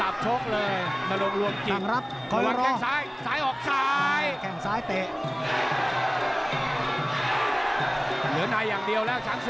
พยายามดึงเดี่ยม